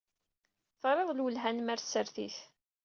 Terriḍ lwelha-nnem ɣer tsertit.